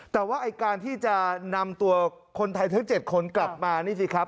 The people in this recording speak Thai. แต่ว่าไอ้การที่จะนำตัวคนไทยทั้ง๗คนกลับมานี่สิครับ